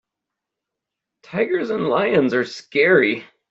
Tigers and lions are scary.